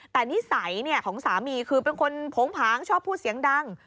แต่นิสัยของสามีคือเป็นคนโผงผางชอบพูดเสียงดัง